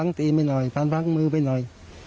สิงค์สีไปหน่อยทันพักมือไปหน่อย